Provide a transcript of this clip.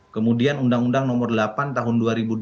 kemudian undang undang nomor delapan tahun dua ribu dua belas